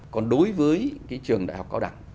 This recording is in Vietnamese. còn đối với cái trường đại học cao đẳng